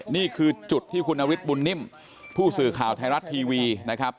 นี่คือจุดที่คุณนฤทธิบุญนิ่มผู้สื่อข่าวไทยรัฐทีวีนะครับ